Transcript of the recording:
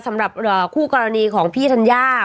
สำหรับคู่กรณีของพี่ธัญญา